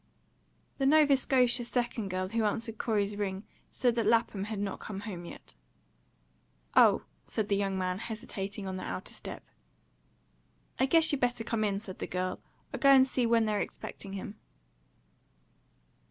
THE Nova Scotia second girl who answered Corey's ring said that Lapham had not come home yet. "Oh," said the young man, hesitating on the outer step. "I guess you better come in," said the girl, "I'll go and see when they're expecting him."